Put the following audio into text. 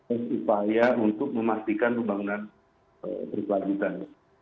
istifaya untuk memastikan pembangunan berkelanjutan